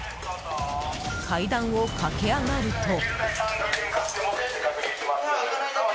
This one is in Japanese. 階段を駆け上がると。